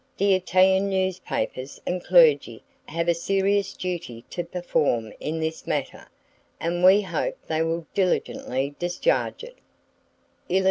The Italian newspapers and clergy have a serious duty to perform in this matter, and we hope they will diligently discharge it.